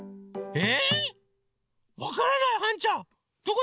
え！